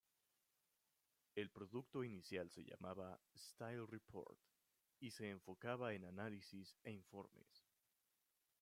El producto inicial se llamaba Style Report y se enfocaba en análisis e informes.